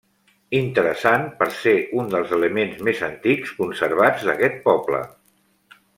Interessant per ser un dels elements més antics conservats d'aquest poble.